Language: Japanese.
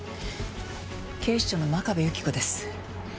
警視庁の真壁有希子です。